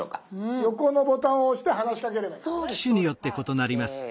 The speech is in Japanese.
横のボタンを押して話しかければいいんですね。